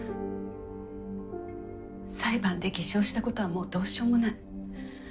裁判で偽証したことはもうどうしようもない。